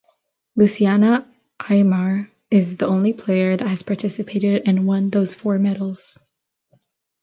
Luciana Aymar is the only player that has participated and won those four medals.